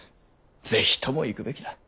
是非とも行くべきだ。